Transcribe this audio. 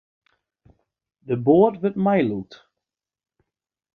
De boat wurdt meilûkt.